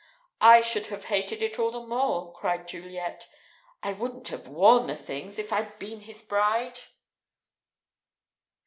"I should have hated it all the more!" cried Juliet. "I wouldn't have worn the things if I'd been his bride."